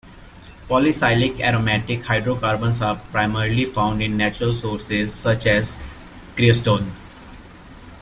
Polycyclic aromatic hydrocarbons are primarily found in natural sources such as creosote.